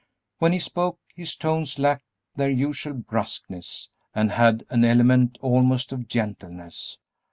When he spoke his tones lacked their usual brusqueness and had an element almost of gentleness.